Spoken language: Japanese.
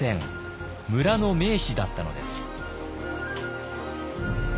村の名士だったのです。